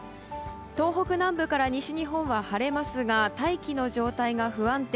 東北南部から西日本は晴れますが大気の状態が不安定。